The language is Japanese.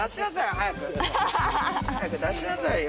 早く出しなさいよ